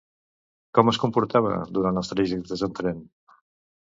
Com es comportava durant els trajectes en tren?